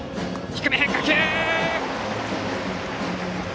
低め、変化球！